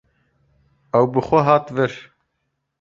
Ew bi xwe hat vir.